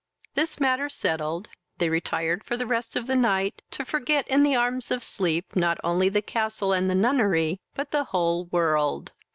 This matter settled, they retired for the rest of the night, to forget, in the arms of sleep, not only the castle and the nunnery, but the whole world.